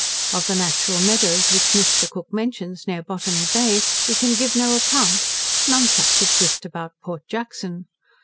Of the natural meadows which Mr. Cook mentions near Botany Bay, we can give no account; none such exist about Port Jackson.